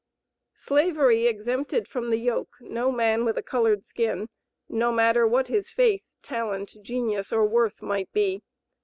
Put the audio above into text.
Slavery exempted from the yoke no man with a colored skin no matter what his faith, talent, genius, or worth might be.